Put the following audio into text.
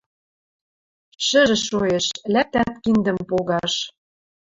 Шӹжӹ шоэш — лӓктӓт киндӹм погаш...